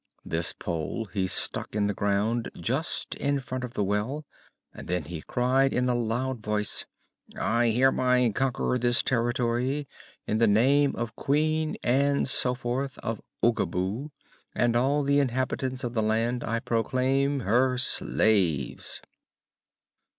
This pole he stuck in the ground just in front of the well and then he cried in a loud voice: "I hereby conquer this territory in the name of Queen Ann Soforth of Oogaboo, and all the inhabitants of the land I proclaim her slaves!"